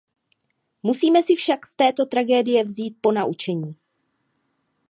Musíme si však z této tragédie vzít ponaučení.